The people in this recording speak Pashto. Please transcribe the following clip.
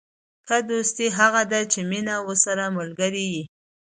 ښه دوستي هغه ده، چي مینه ورسره ملګرې يي.